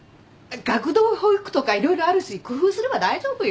学童保育とか色々あるし工夫すれば大丈夫よ。